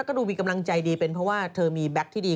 ก็ดูมีกำลังใจดีเป็นเพราะว่าเธอมีแบ็คที่ดี